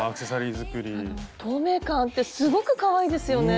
透明感あってすごくかわいいですよね。